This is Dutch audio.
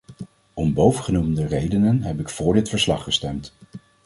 Om bovengenoemde redenen heb ik voor dit verslag gestemd.